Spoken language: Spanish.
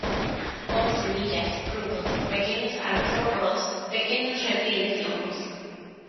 Come semillas, frutos, pequeños artrópodos, pequeños reptiles y hongos.